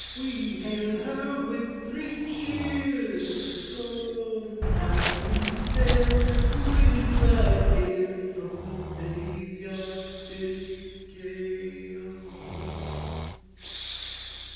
We hail her with three cheers; Now Ave sail, with the gale, From the Bay of Biscay, O